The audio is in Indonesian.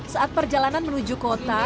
saat perjalanan menuju kota